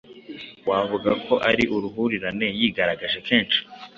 wavuga ko ari uruhurirane yigaragaje kenshi